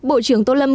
bộ trưởng tô lâm